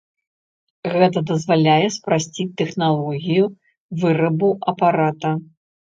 Гэта дазваляе спрасціць тэхналогію вырабу апарата.